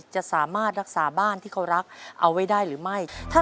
จะสามารถรักษาบ้านที่เขารักเอาไว้ได้หรือไม่